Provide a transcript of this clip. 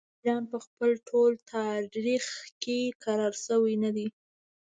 ایران په خپل ټول تاریخ کې کرار شوی نه دی.